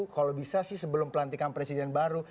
kalau bisa sih sebelum pelantikan presiden baru